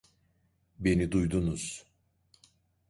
Beni duydunuz.